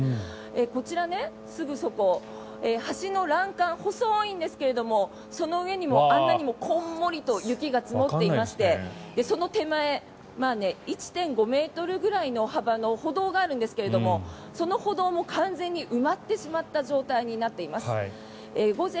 こちら、すぐそこ、橋の欄干細いんですけれどもその上にもあんなにもこんもりと雪が積もっていましてその手前、１．５ｍぐらいの幅の歩道があるんですけどその歩道も完全に埋まってしまった状態になっています。